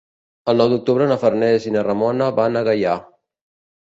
El nou d'octubre na Farners i na Ramona van a Gaià.